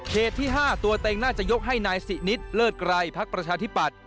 ที่๕ตัวเต็งน่าจะยกให้นายสินิตเลิศไกรพักประชาธิปัตย